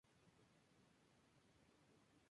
que no hubiéramos partido